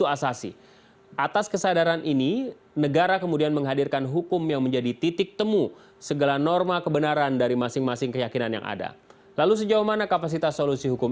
assalamu'alaikum warahmatullahi wabarakatuh